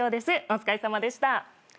お疲れさまでした。